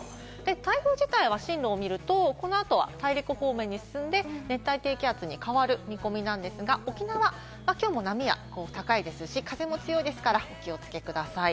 台風自体は進路を見ると、この後は大陸方面に進んで熱帯低気圧に変わる見込みなんですが、沖縄きょうも波が高いですし、風も強いですから、お気をつけください。